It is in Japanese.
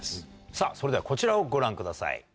さぁそれではこちらをご覧ください。